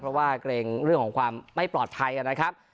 เพราะว่าเกรงเรื่องของความไม่ปลอดภัยนะครับ